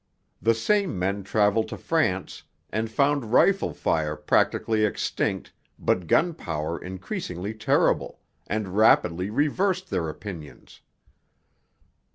The same men travelled to France and found rifle fire practically extinct but gun power increasingly terrible, and rapidly reversed their opinions.